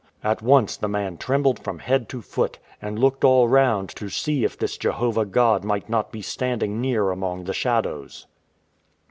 At once the man trembled from head to foot, and looked all round to see if this Jehovah God might not be stand ing near among the shadows.